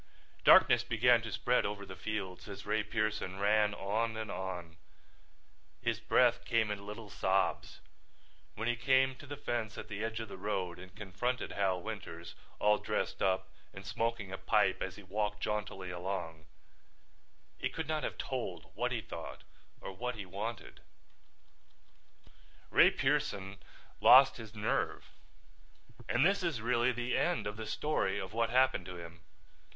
Darkness began to spread over the fields as Ray Pearson ran on and on. His breath came in little sobs. When he came to the fence at the edge of the road and confronted Hal Winters, all dressed up and smoking a pipe as he walked jauntily along, he could not have told what he thought or what he wanted. Ray Pearson lost his nerve and this is really the end of the story of what happened to him.